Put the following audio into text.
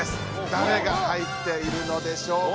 だれが入っているのでしょうか？